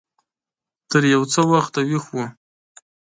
تر يو څه وخته ويښ و.